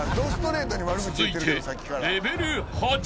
［続いて］